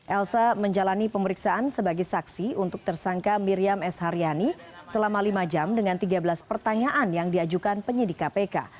elsa menjalani pemeriksaan sebagai saksi untuk tersangka miriam s haryani selama lima jam dengan tiga belas pertanyaan yang diajukan penyidik kpk